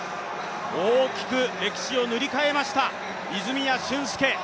大きく歴史を塗り替えました、泉谷駿介。